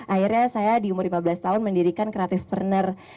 akhirnya saya di umur lima belas tahun mendirikan creative partner